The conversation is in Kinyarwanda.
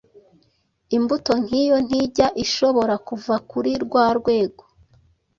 Imbuto nk’iyo ntijya ishobora kuva kuri rwa rwego